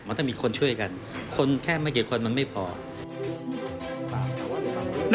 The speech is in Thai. มันต้องมีคนช่วยกัน